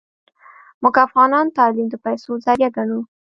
موږ افغانان تعلیم د پیسو ذریعه ګڼو